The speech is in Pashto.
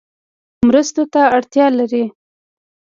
مرستو ته اړتیا لري